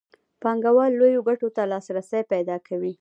پانګوال لویو ګټو ته لاسرسی پیدا کوي